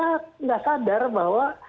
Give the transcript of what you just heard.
tidak sadar bahwa